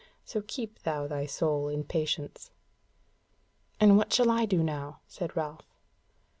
So keep thou thy soul in patience." "And what shall I do now?" said Ralph.